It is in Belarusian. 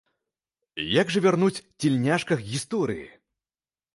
Як жа вярнуць цяльняшках гісторыі?